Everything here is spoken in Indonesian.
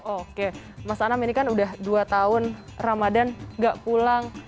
oke mas anam ini kan udah dua tahun ramadan gak pulang